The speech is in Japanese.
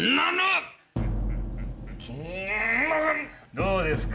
どうですか？